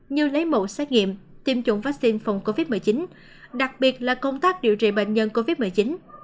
như lấy mẫu xét nghiệm tiêm chủng vaccine phòng covid một mươi chín đặc biệt là công tác điều trị bệnh nhân covid một mươi chín